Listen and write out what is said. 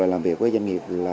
làm việc với doanh nghiệp